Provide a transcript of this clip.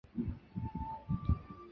毗尸罗婆迎娶持力仙人。